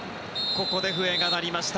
ここで笛が鳴りました。